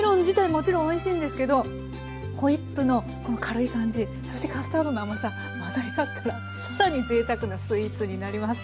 もちろんおいしいんですけどホイップのこの軽い感じそしてカスタードの甘さ混ざり合ったら更にぜいたくなスイーツになります。